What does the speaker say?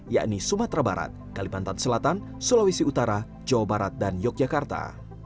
yakni sumatera barat kalimantan selatan sulawesi utara jawa barat dan yogyakarta